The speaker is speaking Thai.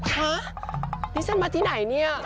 ฮะนี่ฉันมาที่ไหนเนี่ย